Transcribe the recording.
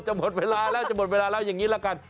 หมดเวลาแล้วจะหมดเวลาแล้วอย่างนี้ละกัน